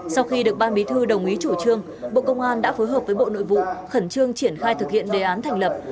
sau khi được ban bí thư đồng ý chủ trương bộ công an đã phối hợp với bộ nội vụ khẩn trương triển khai thực hiện đề án thành lập